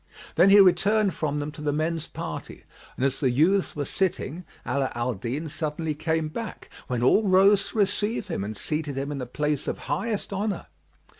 Then he returned from them to the men's party; and, as the youths were sitting, Ala al Din suddenly came back, when all rose to receive him and seated him in the place of highest honour.